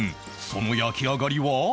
その焼き上がりは